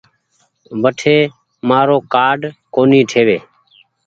وٺي مآرو ڪآرڊ ڪونيٚ ٺيوي۔